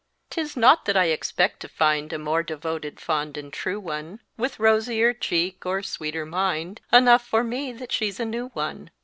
'Tis not that I expect to find A more devoted, fond and true one, With rosier cheek or sweeter mind Enough for me that she's a new one.